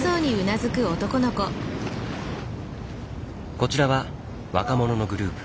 こちらは若者のグループ。